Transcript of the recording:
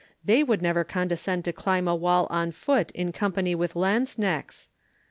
They would never condescend to climb a wall on foot in company with lanzknechts!